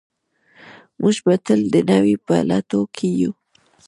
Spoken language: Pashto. موږ به تل د نوي په لټولو کې یو.